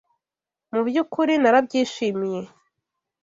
Mu byukuri narabyishimiye.